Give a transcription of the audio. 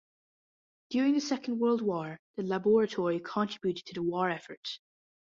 During the Second World War, the Laboratory contributed to the war effort.